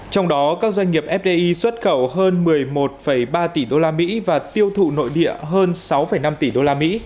trong đó các doanh nghiệp fdi xuất khẩu hơn một mươi một ba tỷ usd và tiêu thụ nội địa hơn sáu năm tỷ usd